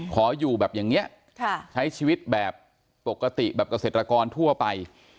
ขออยู่แบบอย่างนี้ใช้ชีวิตแบบปกติแบบเกษตรกรทั่วไป